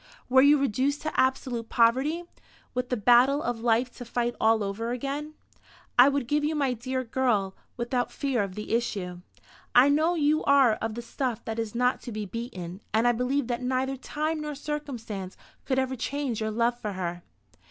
Were you reduced to absolute poverty, with the battle of life to fight all over again, I would give you my dear girl without fear of the issue. I know you are of the stuff that is not to be beaten; and I believe that neither time nor circumstance could ever change your love for her."